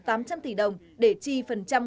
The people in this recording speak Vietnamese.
tám trăm linh tỷ đồng để chi phần trăm